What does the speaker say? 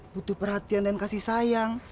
butuh perhatian dan kasih sayang